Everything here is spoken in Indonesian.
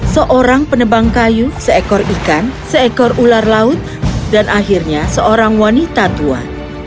seorang penebang kayu seekor ikan seekor ular laut dan akhirnya seorang wanita tua